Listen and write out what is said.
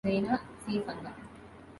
Jaina C. Sanga.